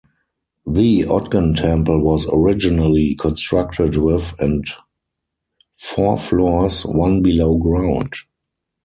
The Ogden Temple was originally constructed with and four floors, one below ground.